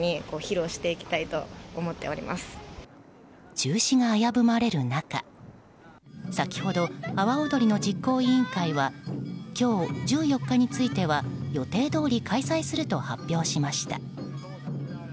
中止が危ぶまれる中先ほど阿波おどりの実行委員会は今日、１４日については予定どおり開催すると発表しました。